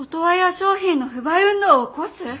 商品の不買運動を起こす」！？